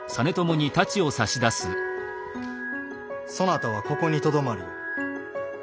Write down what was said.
そなたはここにとどまるように。